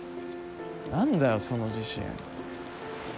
何だよその自信。